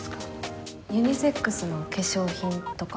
ユニセックスの化粧品とか？